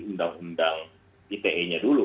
undang undang ite nya dulu